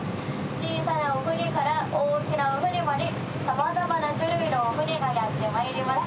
小さな船から大きな船まで様々な種類の船がやってまいります。